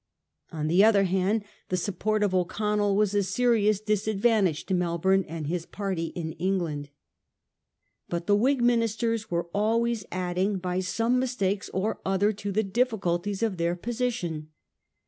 On the other hand the support of O'Connell was a serious disadvantage to Melbourne and his party in England. But the WMg ministers were always adding by some mistake or other to the difficulties of their posi tion.